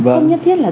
không nhất thiết là